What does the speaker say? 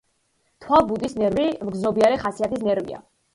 თვალბუდის ნერვი მგრძნობიარე ხასიათის ნერვია.